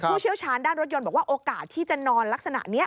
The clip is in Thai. เชี่ยวชาญด้านรถยนต์บอกว่าโอกาสที่จะนอนลักษณะนี้